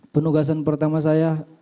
penugasan pertama saya